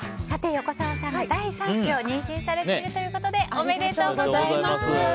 横澤さん、第３子を妊娠されているということでおめでとうございます。